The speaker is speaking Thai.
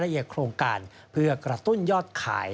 เอียโครงการเพื่อกระตุ้นยอดขาย